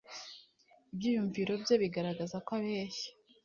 ibyiyumvo bye bigaragaza ko abeshya.